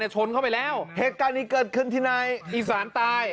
ชนเข้าไปแล้วเหตุการณ์นี้เกิดขึ้นที่นายอีสานตาย